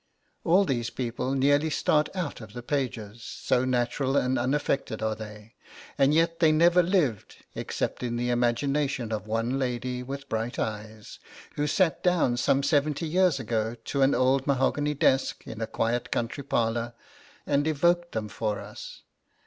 All these people nearly start out of the pages, so natural and unaffected are they, and yet they never lived except in the imagination of one lady with bright eyes, who sat down some seventy years ago to an old mahogany desk in a quiet country parlour, and evoked them for us.